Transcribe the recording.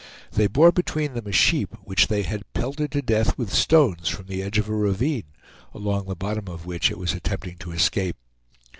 They bore between them a sheep which they had pelted to death with stones from the edge of a ravine, along the bottom of which it was attempting to escape.